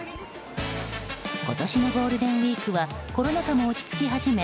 今年のゴールデンウィークはコロナ禍も落ち着き始め